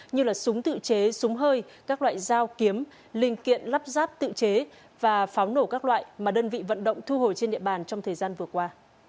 như là súng tự chế súng hơi các loại dao kiếm linh kiện lắp ráp tự chế và pháo nổ các loại mà đơn vị vận động thu hồi trên địa bàn trong thời gian vừa qua